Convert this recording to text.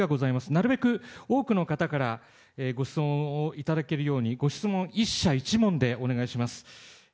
なるべく多くの方からご質問をいただけるように、ご質問を１社１問でお願いします。